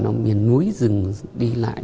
nó miền núi dừng đi lại